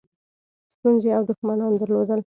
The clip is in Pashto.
ستونزې او دښمنان درلودل.